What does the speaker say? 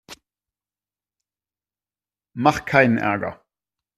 Mach keinen Ärger!